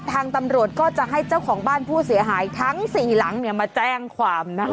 ทางตำรวจก็จะให้เจ้าของบ้านผู้เสียหายทั้ง๔หลังมาแจ้งความนะคะ